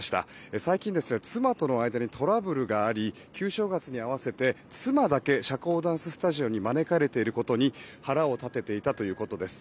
最近、妻との間でトラブルがあり旧正月に合わせて妻だけ社交ダンススタジオに招かれていることに腹を立てていたということです。